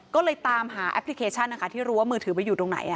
ก็เลยตามหาแอปพลิเคชันนะคะที่รู้ว่ามือถือไปอยู่ตรงไหน